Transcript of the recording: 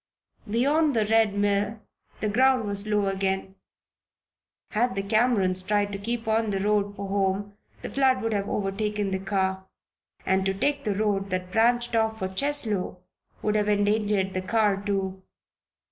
Beyond the Red Mill the ground was low again; had the Camerons tried to keep on the road for home the flood would have overtaken the car. And to take the road that branched off for Cheslow would have endangered the car, too.